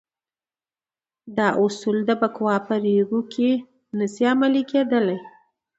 دا اصول د بکواه په ریګونو کې نه شي عملي کېدلای.